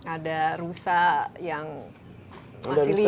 ada rusa yang masih liar